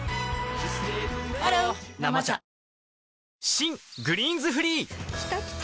新「グリーンズフリー」きたきた！